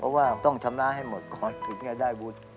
เพราะว่าต้องชำระให้หมดก่อนถึงจะได้บุญ